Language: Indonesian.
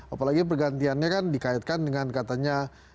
apalagi pergantiannya kan dikaitkan dengan katanya